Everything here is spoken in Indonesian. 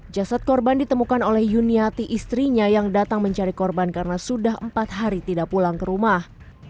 jasad korban ditemukan oleh yuniati istrinya yang datang mencari korban karena sudah empat hari tidak pulang ke rumah